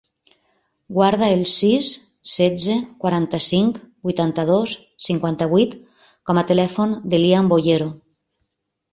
Guarda el sis, setze, quaranta-cinc, vuitanta-dos, cinquanta-vuit com a telèfon de l'Ian Boyero.